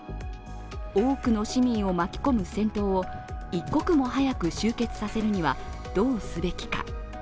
多くの市民を巻き込む戦闘を一刻も早く終結させるにはどうすべきか。